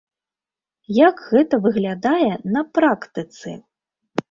Як гэта выглядае на практыцы?